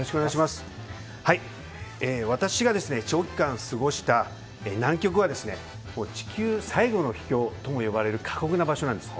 私が長期間過ごした南極は地球最後の秘境とも呼ばれる過酷な場所なんです。